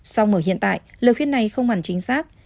so mở hiện tại lời khuyên này không hẳn chính xác